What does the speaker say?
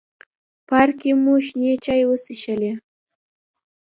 پارک کې مو شنې چای وڅښلې.